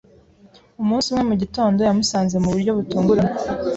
Umunsi umwe mu gitondo, yamusanze mu buryo butunguranye.